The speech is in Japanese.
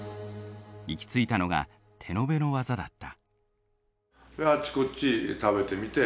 行き着いたのが手延べの技だった。